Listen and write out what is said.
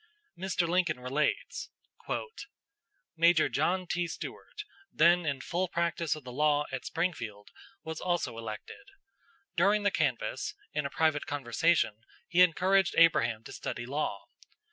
Mr. Lincoln relates: "Major John T. Stuart, then in full practice of the law [at Springfield], was also elected. During the canvass, in a private conversation he encouraged Abraham to study law.